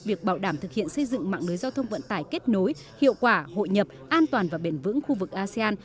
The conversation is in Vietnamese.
việc bảo đảm thực hiện xây dựng mạng lưới giao thông vận tải kết nối hiệu quả hội nhập an toàn và bền vững khu vực asean